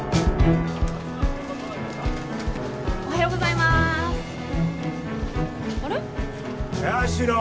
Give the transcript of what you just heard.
おはようございまーす。